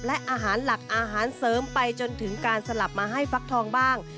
และอาหารหลักอาหารเสริมไปจนถึงการสลับมาให้ฟักทองบ้าง